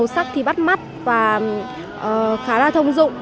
sắc thì bắt mắt và khá là thông dụng